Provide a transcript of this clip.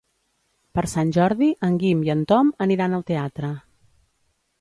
Per Sant Jordi en Guim i en Tom aniran al teatre.